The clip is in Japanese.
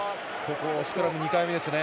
スクラム２回目ですね。